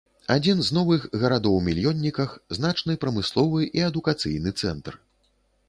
Адзін з новых гарадоў-мільённіках, значны прамысловы і адукацыйны цэнтр.